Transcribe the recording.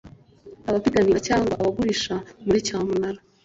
abapiganira cyangwa abagurisha muri cyamunara